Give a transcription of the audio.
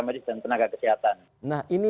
medis dan tenaga kesehatan nah ini